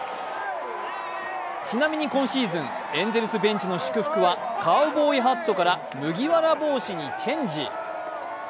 ちなみに今シーズン、エンゼルスベンチの祝福はカウボーイハットから麦わら帽子にチェンジ。